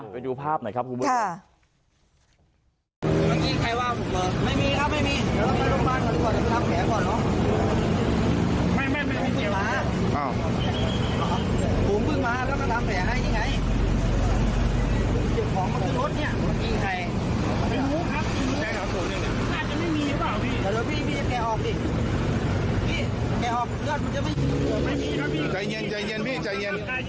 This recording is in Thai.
ไปดูภาพหน่อยครับคุณผู้ชม